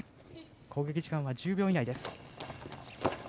攻撃時間は１０秒以内です。